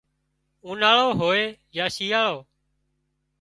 اُوناۯو هوئي يا شيئاۯو